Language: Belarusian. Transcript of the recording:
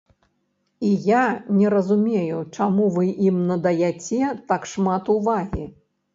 І я не разумею, чаму вы ім надаяце так шмат увагі.